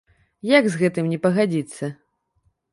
Як з гэтым не пагадзіцца!